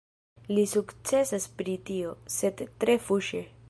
Li sukcesas pri tio, sed tre fuŝe.